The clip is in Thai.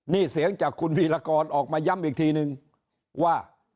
นี่เสียงจากคุณวีรกรออกมาย้ำอีกทีนึงว่า